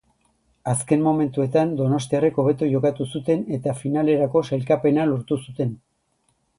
Azken momentuetan donostiarrek hobeto jokatu zuten eta finalerako sailkapena lortu zuten.